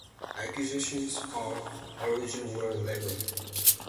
Accusations of arson were leveled.